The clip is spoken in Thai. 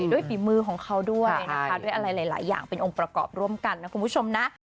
ฝีมือของเขาด้วยนะคะด้วยอะไรหลายอย่างเป็นองค์ประกอบร่วมกันนะคุณผู้ชมนะ